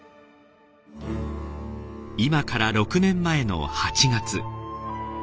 今から６年前の８月。